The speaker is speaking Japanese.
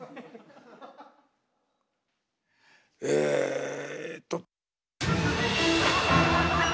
えっと。